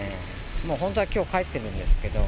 もう本当はきょう帰ってるんですけども。